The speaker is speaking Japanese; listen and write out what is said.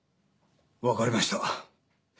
わかりました。